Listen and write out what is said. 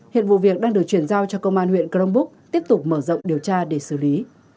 hiện vụ việc đang được chuyển giao cho công an huyện crong búc tiếp tục mở rộng điều tra để xử lý